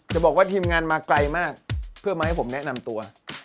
จะบอกว่าทีมงานมาไกลมากเพื่อมาให้ผมแนะนำตัว